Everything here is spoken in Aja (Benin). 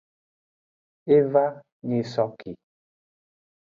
E va nyisoke.